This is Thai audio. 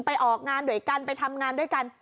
ออกงานด้วยกันไปทำงานด้วยกัน